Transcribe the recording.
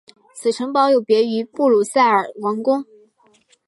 此城堡有别于布鲁塞尔王宫。